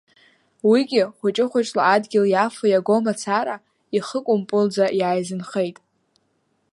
Уигьы хәыҷыхәыҷла адгьыл иафо-иаго мацара, ихы кәымпылӡа иааизынхеит.